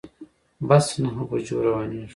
بس نهه بجو روانیږي